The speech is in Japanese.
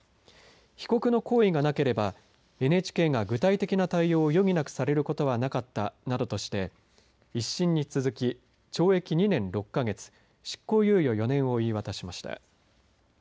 被告の行為がなければ、ＮＨＫが具体的な対応を余儀なくされることはなかったなどとして、１審に続き、懲役２年６か月、執行猶予４年を言い渡しました。